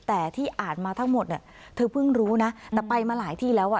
แต่ที่อ่านมาทั้งหมดเนี่ยเธอเพิ่งรู้นะแต่ไปมาหลายที่แล้วอ่ะ